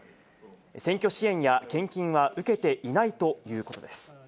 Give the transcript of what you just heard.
選挙支援や献金は受けていないということです。